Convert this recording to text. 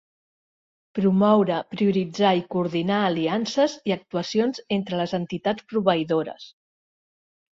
Promoure, prioritzar i coordinar aliances i actuacions entre les entitats proveïdores.